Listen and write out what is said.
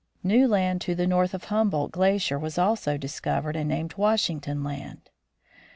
New land to the north of Humboldt glacier was also discovered and named Washington Land.